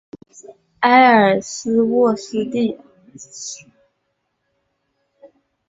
埃尔斯沃思地。